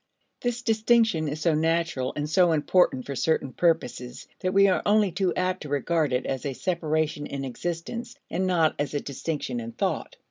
This distinction is so natural and so important for certain purposes, that we are only too apt to regard it as a separation in existence and not as a distinction in thought.